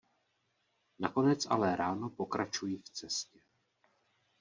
Nakonec ale ráno pokračují v cestě.